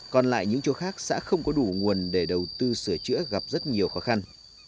còn lại những chỗ khác xã không có đủ nguồn để đầu tư sửa chữa gặp rất nhiều khó khăn